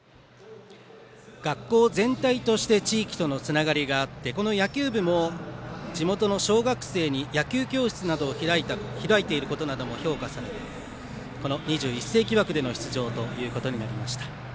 学校全体として地域とのつながりがあってこの野球部も地元の小学生に野球教室などを開いていることも評価されて、この２１世紀枠での出場ということになりました。